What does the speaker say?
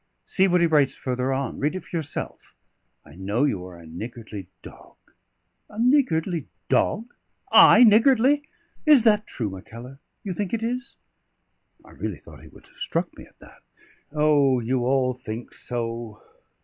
See what he writes further on; read it for yourself: 'I know you are a niggardly dog.' A niggardly dog! I niggardly? Is that true, Mackellar? You think it is?" I really thought he would have struck me at that. "O, you all think so!